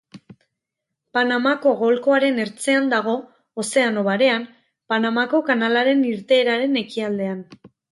Panamako golkoaren ertzean dago, Ozeano Barean, Panamako kanalaren irteeraren ekialdean.